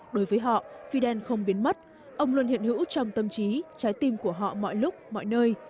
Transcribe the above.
đối với họ fidel không biến mất ông luôn hiện hữu trong tâm trí trái tim của họ mọi lúc mọi nơi